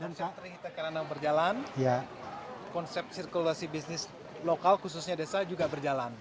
dan saat ini kita karena berjalan konsep sirkulasi bisnis lokal khususnya desa juga berjalan